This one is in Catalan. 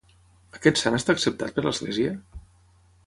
Aquest sant està acceptat per l'Església?